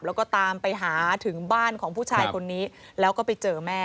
แล้วก็ตามไปหาถึงบ้านของผู้ชายคนนี้แล้วก็ไปเจอแม่